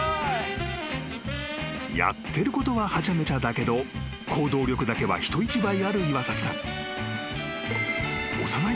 ［やってることははちゃめちゃだけど行動力だけは人一倍ある岩崎さん］